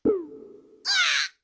うわっ！